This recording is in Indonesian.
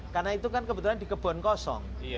karena itu kan kebetulan di kebun kosong